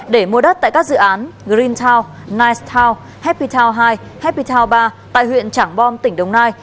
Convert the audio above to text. để mua đất tại các dự án green town nice town happy town hai happy town ba tại huyện trảng bom tỉnh đồng nai